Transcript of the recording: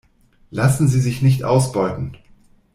Lassen Sie sich nicht ausbeuten!